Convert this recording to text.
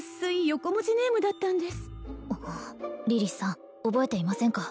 横文字ネームだったんですリリスさん覚えていませんか？